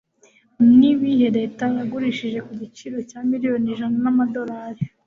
Nibihe Leta Yagurishije Ku giciro cya miliyoni ijana z'amadolari